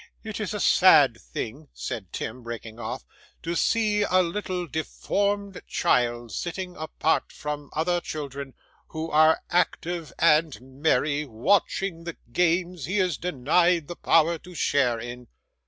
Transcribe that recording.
It is a sad thing,' said Tim, breaking off, 'to see a little deformed child sitting apart from other children, who are active and merry, watching the games he is denied the power to share in.